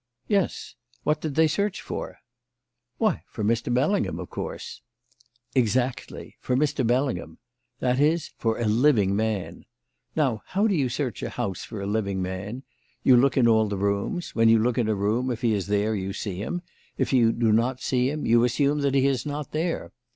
"Yes. What did they search for?" "Why, for Mr. Bellingham, of course." "Exactly; for Mr. Bellingham. That is, for a living man. Now how do you search a house for a living man? You look in all the rooms. When you look in a room, if he is there, you see him; if you do not see him, you assume that he is not there.